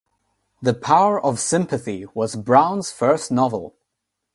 "The Power of Sympathy" was Brown's first novel.